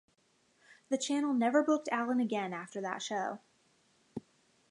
The Channel never booked Allin again after that show.